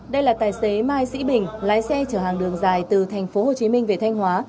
đây là tài xế mai sĩ bình lái xe chở hàng đường dài từ tp hcm về thanh hóa